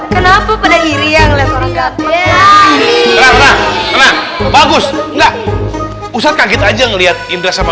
kenapa pada hirian lewat orang gampang bagus enggak usah kaget aja ngelihat indra sama